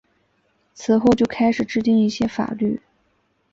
此后就开始制定一些法律。